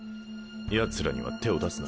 ヤツらには手を出すな。